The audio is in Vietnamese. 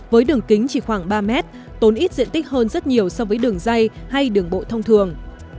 với đường kính chỉ khoảng ba mét tốn ít diện tích hơn rất nhiều so với đường dây hay đường bộ thông thường